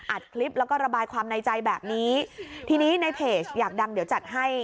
อัดคลิปแล้วก็ระบายความในใจแบบนี้